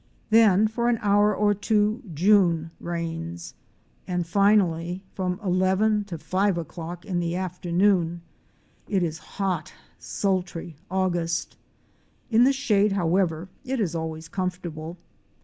Then for an hour or two June reigns, and finally from eleven to five o'clock in the afternoon it is hot, sultry August. In the shade, however, it is always comfortable.